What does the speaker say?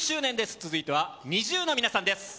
続いてはＮｉｚｉＵの皆さんです。